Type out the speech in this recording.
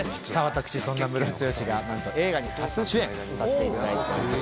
私そんなムロツヨシがなんと映画に初主演させていただいております